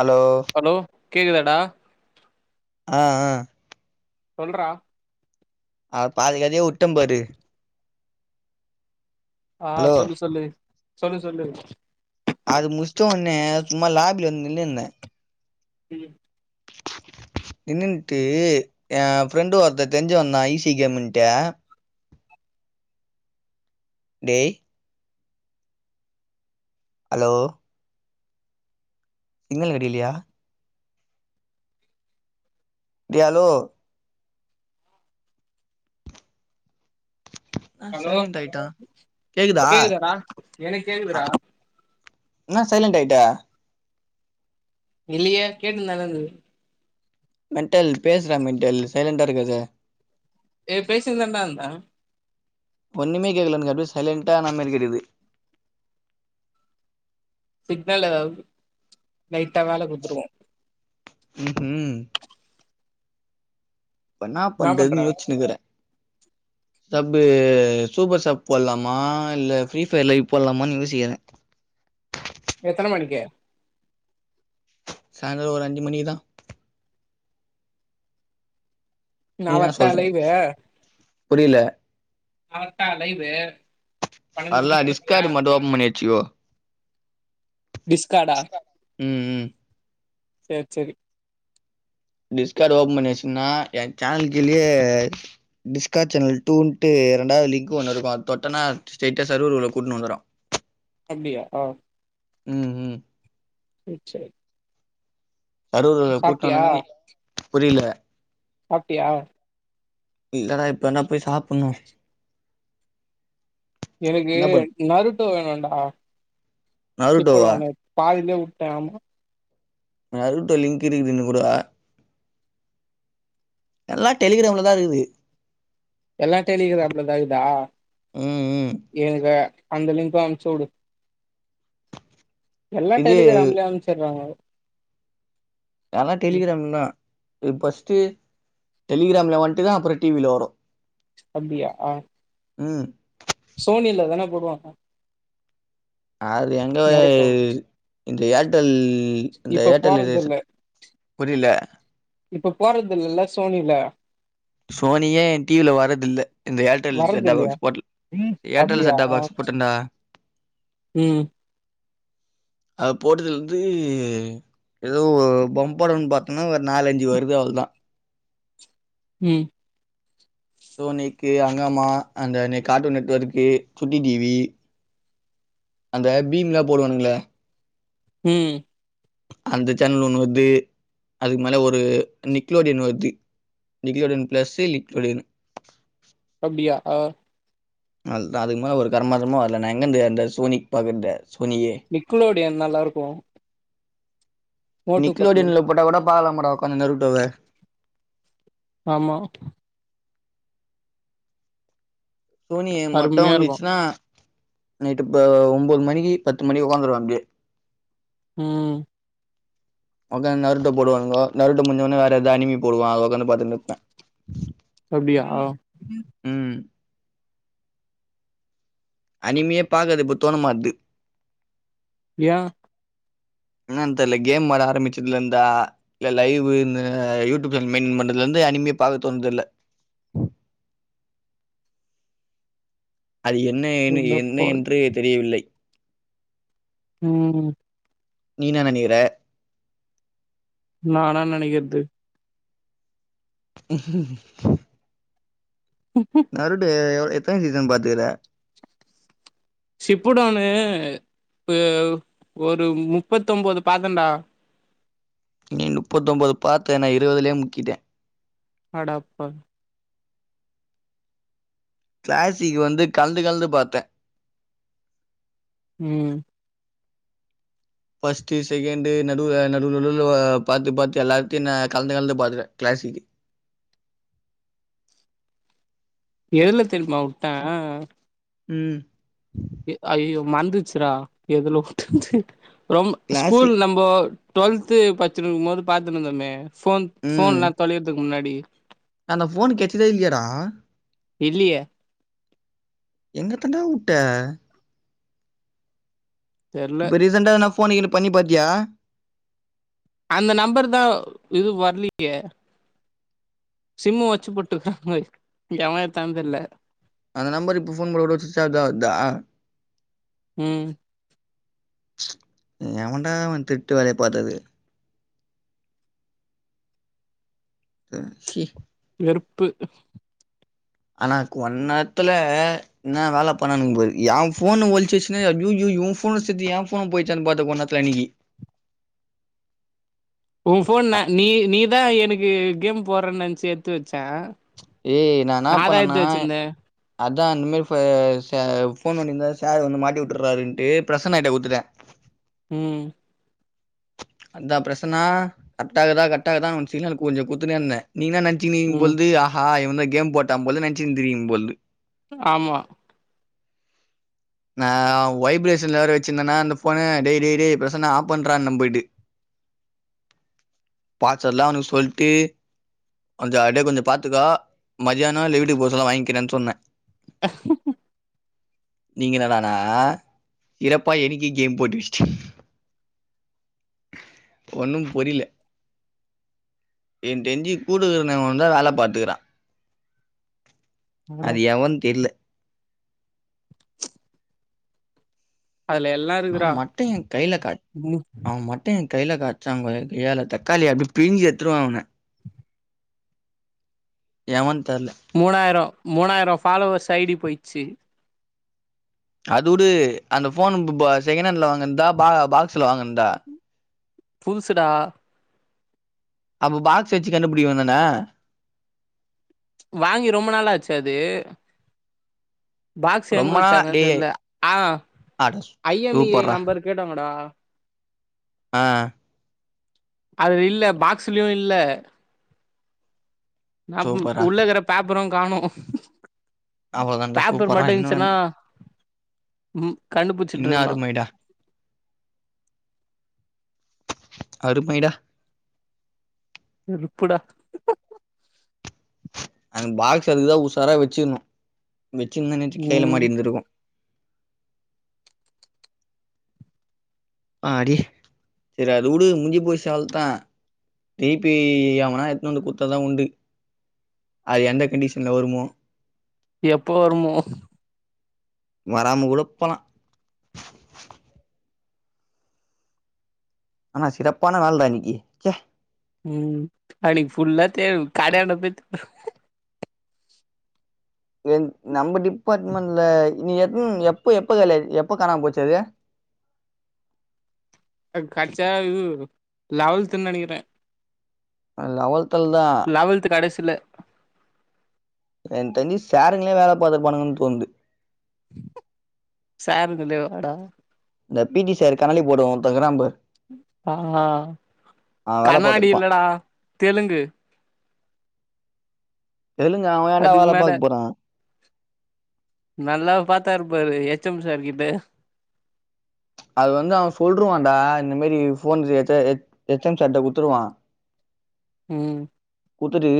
allow hello கேக்குதாடா ஆ ஆ சொல்றா ஆ பாதிகதைய உட்டே பாரு ஆ ஹலோ சொல்லு சொல்லு சொல்லு சொல்லு அது முஷ்டவுன்னே சும்மா லாபில வந்து நின்னுந்தே ம் நின்னுட்டு எ ஃப்ரெண்டு ஒருத்தே தெர்ஞ்சி வந்தா ஈசி கேமுன்ட்டு டேய் அலோ சிக்னல் கெடக்லையா டேய் அலோ என்ன ஹலோ சைலண்ட் ஆயிட்டா கேக்குதா கேக்குதாடா எனக் கேக்குதுடா இன்னா சைலென்ட்டாயிட்ட இல்லியே கேட் னுந்தான இருந்தது மென்ட்டல் பேசுறா மெண்டல் சைலண்டா இருக்காத ஏ பேசின்தாண்டா இந்தே ஒன்னுமே கேட்கல எனுக் அப்டியே சைலண்டா ஆனமாரி இருக்குது சிக்னல் எதாவ்து லைட்டா வேல குத்துருக்கு ம் ஹும் இப்ப என்னா பண்றதுன்னு யோச்சினுகுறே சப்பு சூப்பர் சாப் போட்லாமா இல்ல ஃப்ரீ ஃபயர் லைவ் போலாமான்னு யோசிக்குறே எத்தன மணிக்கு சாந்திர ஒரு அஞ்சு மணிக்குதா நா நீதா வர்ட்டா சொல்ற லைவு புரில அவே வந்டானா லைவ் வு அதெல்லா ரடிஸ்காடு மட்டு ஓபன் பண்ணி வச்சுக்கோ டிஸ்காடா ம் ம் சேரி சேரி டிஸ்காடு ஓபன் பண்ணிவச்சோம்னா என் சேனல் கீழயே டிஸ்கா சேனல் டூட்டு ரெண்டாவது லிங்க் ஒன்னு இருக்கு அது தொட்டனா ஸ்டேய்டா சர்வர் குள்ள கூட்டுனு வந்துரு [inaudible] அப்டியா ஆ ம் ம் ம் சேரி சர்வர் வர்ல கூப்ட்டு சாப்ட்டியா வந்தனா நீ புரியில சாப்ட்டியா இல்லடா இப்பதான்ட போய் சாப்புன்னோ எனக்கு என்ன பண் நருட்ட வேணுன்டா நருட்டோவா [unintelligible] பாதிலே உட்ட ஆமா நா அறுப்ட்ட லிங்க் இருக்குதுனியே குட்ரா எல்லா டெலிகிராம்ல தா இருக்து எல்லா டெலிகிராம்ல தா இக்தா ம் ம் என்க்கே அந்த லிங்க்க அம்ச்சுவுடு எல்லா இது டெலிகிராம்ல அம்ச்சிறாங்க எல்லா டெலிகிராம் தா இது ஃபர்ஸ்ட்டு டெலிகிராம்ல வந்ட்டு தா அப்புறோ டீ வில வரோ அப்டியா ம் சோனில தான போடுவாங்க அது எங்க நெருட்டோ இந்த ஏர்டெல் இந்த இப்ப ஏர்டெல் இரு போறதில்ல புரியில இப்ப போர்றது இல்லல்ல சோனில சோனியே என் டீ வில வரதுல்ல இந்த ஏர்டெல் செட்டாப் வர்றதில்லையா பாக்ஸ் போட்டு ஏர்டெல் அப்டியா செட்டாப் பாக்ஸ் போட்டனா ம் அது போட்டதுலந்து ஏதோ ஒரு பொம்படம் பாத்தன்னா ஒரு நாலஞ்சு வருது அவ்ளோ தா ம் சோனிக்கு அங்கம்மா அந்த net cartoon network Chutti T V அந்த பீம்லா போடுவானுங்ளே ம் அந்த சேனல் ஒன்னு வருது அதுக்கு மேல ஒரு நிக்லோடியன் வருது நிக்லோடியன் பிளஸ்சு நிக்லோடின் அப்டியா ஆ அதுதா அதுக்கு மேல ஒரு கருமாந்திரமு வரல நா எங்கேந்து அந்த சோனிக் பாக்குற்து சோனியே நிக்லோடியன் நல்லா இருக்கும் பட்லு நிக்லோடியன்ல போட்டா கூட பாக்கலாம்டா ஒக்காந்து நெருட்டோவ ஆமா சோனி ஐ மட்டோ அருமையா இருக்கு வந்துச்சுன்னா நைட்டு இப்ப ஒம்பது மணிக்கு பத்து மணிக்கு ஒக்காந்துருவே அப்டியே ம் ஒக்காந் நருட்ட போடுவானுங்க நருட்ட முஞ்ச ஒன்னே வேற எது அனிமி போடுவான் அத ஒக்காந்து பாத்துன்னுருப்ப அப்டியா ம் அனிமியே பாக்கது இப்போ தோண மாட்து ஏன் என்னான் தெரில கேம் வெளா ஆரமிச்சதுலந்தா இல்ல லைவ்வு ம யூடியூப் சேனல் மெயின்டன் பண்றதுலந்து அனிமே பாக்க தோன்துல்ல அது என்ன என்ன என்ன என்றே தெரியவில்லை ம் நீ என்ன நெனைக்கிற நா என்னா நெனைக்கற்து நறுடு எவ் எத்தன சீசன் பாத்துக்கற சிப்புடான்னு ஏ ஒரு முப்பத்தொம்போது பாத்தன்டா நீ நுப்பத்தொம்போது பாத்த நா இருவதுலியே முக்கிட்டே அடப்பாவி க்ளாசிக் வந்து கலந்து கலந்து பாத்த ம் ஃபஸ்ட்டு செகெண்டு நடுல நடுல நடுல ஆ பாத்து பாத்து எல்லாத்தையு நா கலந்து கலந்து பாத்துட க்ளாசிக்கு எதுல தெரியுமாவுட்ட ம் ஐயய்யோ மந்துச்சுரா எதுலவுட்டன்ட்டு ரொம்ப் ஸ்கூல் கிளாசிக் நம் போ டுவெல்த்து பட்ச்சின்னுருக்கும்போது பாத்துட்டுந்தோமே ஃபோன் ம் ஃபோன்லா தொலையறதுக்கு முன்னாடி அந்த ஃபோன்னு கெட்ச்சிதா இல்லையாடா இல்லியே எங்க தான்டாவுட்ட தெர்ல இப்ப ரீசண்ட்டா எதனா ஃபோன்னு கீன்னு பண்ணி பாத்தியா அந்த நம்பர்தா இது வர்லியே சிம்மு ஒட்ச்சசி போட்ருக்கா போல எவ எடுத்தான் தெர்ல அந்த நம்பர் இப்ப ஃபோன் போட்டாக்கூட சுச் ஆஃப்தா வர்தா ம் எவன்டா அவ திர்ட்டு வேலைய பாத்தது அ ஹி வெறுப்பு ஆனா கொன் நேர்த்துல என்னா வேல பண்ணானுங்க பாரு ஏ ஃபோன ஒழிச்சிவெச்சுன்னு அய்யய்யய்யோ உ ஃபோனு சேத்து ஏ ஃபோனு போய்ச்சானு பாத்த கொன்னேர்த்துல அன்னிக்கி உ ஃபோன் நா நீ நீதா எனக்கு கேம் போட்றன் நென்ச்சி எடுத்து வெச்ச ஏய் நா என்ன பண்ணன்னா அத்தா அந்தமாரி ஃபோ சா ஃபோன் நோண்டிருந்தா சார் வந்து மாட்டிவுட்டுர்ராருன்ட்டு ப்ரசனாக்கிட்ட குடுத்துட்ட ம் அத்தா ப்ரசனா கர்ட்டாக்குதா கர்ட்டாக்குதா ஒன்க்கு சிக்னல் கொஞ்சோ குட்த்துனேருந்த நீ என்னா நென் ம் தினிக்குப்பொழ்து அஹா இவ தா கேம் போட்டா போலன்னு நெனச்சிருந்தீர்கிங்க பொழ்து ஆமா நா வைப்ரேஷன்ல வேற வெச்சிருந்தனா அந்த ஃபோன டேய் டேய் டேய் ப்ரசன்னா ஆஃப் பண்றான்ன போய்ட்டு பாச்வேட்லா அவுனுக்கு சொல்ட்டு கொஞ்சோ அப்டே கொஞ்சோ பாத்துக்கோ மதியானோ இல்ல வீட்டுக்கு போ சொல்ல வாங்க்கிறன் சொன்ன நீங்க என்னடானா இறப்பா எனிக்கே கேம் போட்ருச்சு ஒன்னு புரியில என்க் தெரிஞ்சி கூட இருக்கிற எவனோதா வேல பாத்துக்குறா அது அடப் எவன் தெர்ல அதுல எல்லா நா இருக்குடா மட்டு எ கைல காட் ம் அவ மட் டு ஏ கைல கட்ச்சாங்க வை கொ கொய்யாள தக்காளிய அப்டி பிழிஞ்சி எட்த்துருவ அவன எவனு தெர்ல மூணாயிரம் மூணாயிரம் ஃபாலோவர்ஸ் ஐ டி போய்டுச்சு அது வுடு அந்த ஃபோன் செகண்ட் ஹேண்டில வாங்கந்தா பா பாக்ஸ்ல வாங்கந்தா புதுசுடா அப்ப பாக்ஸ் வச்சு கண்டுபுடிக்க வேண்டிய தானே வாங்கி ரொம்ப நாளா ஆச்சு அது பாக்ஸ் எங்க ரொம்ப நாளா வச்சாங்க டேய் தெர்ல ஆ ஆட ஐ எம் இ சூப்பர்ரா நம்பர் கேட்டாங்கடா ஆ அது இல்ல பாக்ஸ்லயும் இல்ல ந சூப்பர்ரா உள்ளக்கிற பேப்பரும் காணும் அவ்வளோதான்டா பேப்பர் சூப்பர்ரா மட்டும் இன்னும் இருந்துச்சுன்னா ம் கண்டுபிச்சுட்டு இன்னும் இருக்கலாம் அருமைடா அருமைடா வெறுப்புடா அந்த பாக்ஸ் அதுக்குதான் உசாரா வச்சிருணும் வச்சிருந்தா இன்னாச்சிக்கு கைல ம் மாட்டி இருந்திருக்கும் ஆடி சரி அது வுடு முஞ்சு போச்சு அவ்ல் தா திருப்பி எவனா எதுன்னு வந்து குத்தா தான் உண்டு அது எந்த கண்டிஷன்ல வருமோ எப்போ வருமோ வராம கூட போலாம் ஆனா சிறப்பான நாள் டா இன்னிக்கு ம் நாளைக்கு புல்லா தேடு கடையாண்ட போய் என் நம்ம டிபார்ட்மெண்ட்ல நீ எத்த எப்போ எப்போ காலியா எப்போ காணாம போச்சு அது அது கச்சா இது லெவெல்துன்னு நினைக்கிறேன் அ லவென்த்துல தான் லெவல் த்து கடைசில எனக்கு தெரிஞ்சி சாருங்களே வேலை பார்த்துருப்பானுங்களோன்னு தோண்ந்து சாருங்களே வாடா இந்த பிடி சார் கண்ணாடி போட்டவன் ஒருத்தன் இருக்கிறாம்பாரு ஆ வேல கண்ணாடி பாத்துருப்பா இல்லடா தெலுங்கு தெலுங்க அவன் என்னா அதுக்கு வேல மேல பாக்க போறான் நல்லா பாத்தாருப்பாரு எச் எம் சார் கிட்ட அது வந்து அவன் சொல்லிருவான்டா இந்த மாரி ஃபோன் கெடச்சா எச் எம் சார் கிட்ட குடுத்துருவான் ம் குத்துட்டு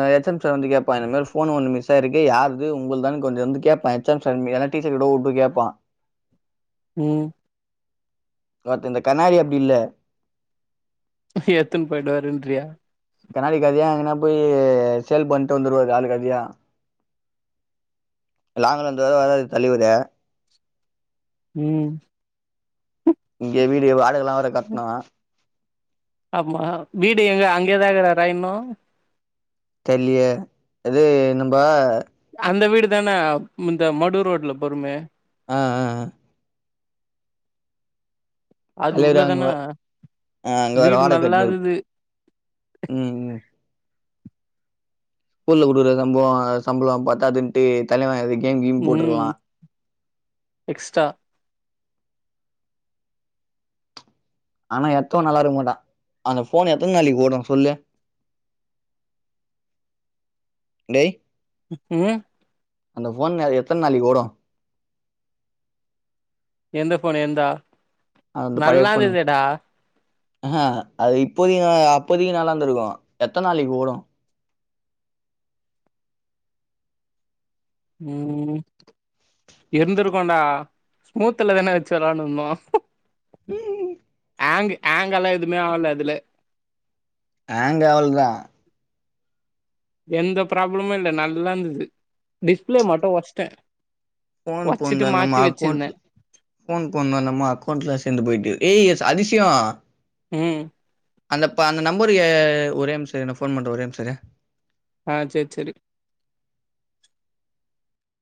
ஆ எச்எம் சார் வந்து கேப்பான் இந்த மாரி போன் ஒன்னு மிஸ் ஆயிருக்கு யாருது உங்கள் தான்னு கொஞ்சோ வந்து கேப்ப எச் எம் சார் எல்லா டீச்சர்கிட்ட உட்டு கேப்பான் ம் பட் இந்த கண்ணாடி அப்டி இல்ல எத்துன்னு போயி்டுவாருன்றியா கண்ணாடி கதையா எங்கனா போய் சேல் பண்ணிட்டு வந்துருவாரு ஆளு கதையா லாங்கல இந்து தான் வராரு தலைவரு ம் இங்க வீடு வாடகலாம் வேற கட்டனும் ஆமா வீடு எங்க அங்கதா இக்குறாரா இன்னு தெர்லியே இது நம்ப அந்த வீடு தான இந்த மடு ரோட்ல போறோமே அ அ அ அது கலைற அங்குவ உள்ளதானா ஆ அங்க வேற வீடு வாடக நல்லா கட்னிரு இருந்தது ம் ம் ஸ்கூல் ல குடுக்குற சம்பவோ சம்பளோ பத்தாதுட்டு தலைவெ இது கேம் கீம் போட்ருலா எக்ஸ்ட்டா ஆனா எத்தவொ நல்லாருக்க மாட்டா அந்த ஃபோன் எத்தன நாளக்கி ஓடு சொல்லு டேய் ம் அந்த ஃபோன் அது எத்தன நாளக்கி ஓடு எந்த ஃபோனு என்தா அது அந்த பழைய ஃபோனு ஆஹ அது இப்போதி அப்போதிக்கி நல்லாருந்துருக்கு எத்தன நாளக்கி ஓடு ம் இருந்திருக்குண்டா ஸ்மூத்துல தான வச்சு விளாண்டுருந்தோ ம் ம் ம் ஆங்கு ஆங்கல்லா எதுமே ஆகல அதுல ஹேங்க் ஆவலதா எந்த ப்ராப்ளமு இல்ல நல்லா இருந்தது டிஸ்பிளே மட்டு ஒடஸ்டே ஃபோன் போன்துல்ல நம்ம அக்கோண்ட் ஃபோன் போன்ணே நம்ம அக்கோண்ட்ல சேந்து போயிட்டு ஏய் எஸ் அதிசியோ ம் அந்த ப அந்த நம்பரு அ அ ஒரே ஒரு நிம்ஷ இரு நா ஃபோன் பண்றே ஒரே ஒரு நிம்ஷ இரு ஆ செர் செரி